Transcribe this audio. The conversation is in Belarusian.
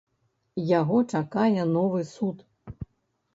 Яго чакае новы суд.